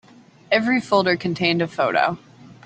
Every folder contained a photo.